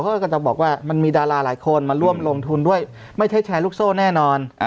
เขาก็จะบอกว่ามันมีดาราหลายคนมาร่วมลงทุนด้วยไม่ใช่แชร์ลูกโซ่แน่นอน